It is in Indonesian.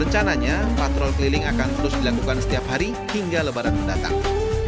rencananya patroli keliling akan terus dilakukan setiap hari hingga lebaran mendatang